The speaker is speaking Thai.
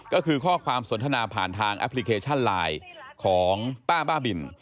ก็คือข้อความสนทนาผ่านทางแอปพลิเคชันไลน์ของป้าบ้าบิน